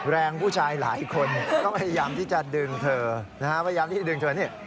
แรงผู้ชายหลายคนก็พยายามที่จะดึงเธอนะฮะพยายามที่ดึงเธอนี่